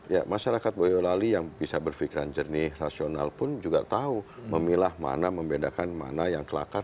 ya masyarakat boyolali yang bisa berpikiran jernih rasional pun juga tahu memilah mana membedakan mana yang kelakar